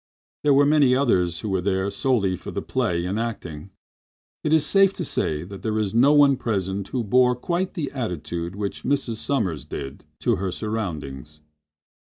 There were many others who were there solely for the play and acting. It is safe to say there was no one present who bore quite the attitude which Mrs. Sommers did to her surroundings.